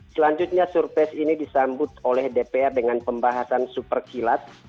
selanjutnya surprise ini disambut oleh dpr dengan pembahasan super kilat